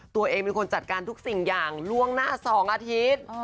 ตัวเองเป็นคนจัดการทุกสิ่งอย่างล่วงหน้า๒อาทิตย์